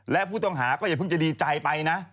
และผู้ต้องหาก็อย่าเพิ่งจะดีใจไปนะ